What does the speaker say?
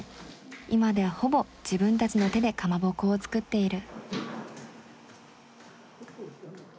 今ではほぼ自分たちの手でかまぼこを作っている。